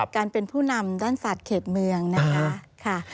การเป็นผู้นำด้านศาสตร์เขตเมืองนะคะ